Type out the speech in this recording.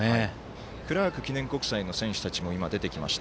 クラーク記念国際の選手たちも今、出てきました。